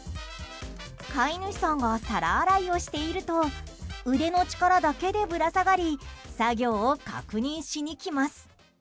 飼い主さんが皿洗いをしていると腕の力だけでぶら下がり作業を確認しにきます。